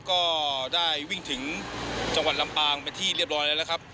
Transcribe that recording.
ก็ได้วิ่งถึงจังหวัดลำปางเป็นที่เรียบร้อยแล้วนะครับ